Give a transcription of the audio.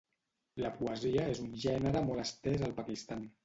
La poesia és un gènere molt estès al Pakistan.